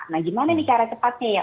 nah gimana nih cara cepatnya ya